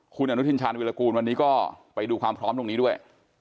คุณอนุทินชาญวิรากูลวันนี้ก็ไปดูความพร้อมตรงนี้ด้วย